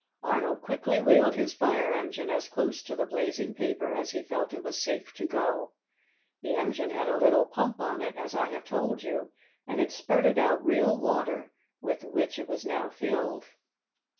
Arnold quickly wheeled his fire engine as close to the blazing paper as he felt it was safe to go. The engine had a little pump on it, as I have told you, and it spurted out real water, with which it was now filled.